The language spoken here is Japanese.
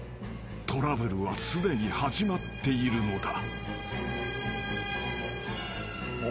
トラブルはすでに始まっているのだ］